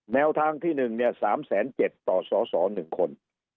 แนวทางที่๑เนี่ย๓๗๐๐๐๐ต่อสอสอ๑คน